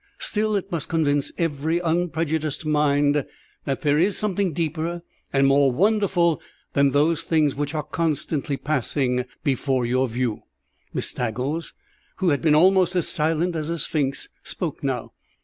Still it must convince every unprejudiced mind that there is something deeper and more wonderful than those things which are constantly passing before your view." Miss Staggles, who had been almost as silent as a sphinx, spoke now.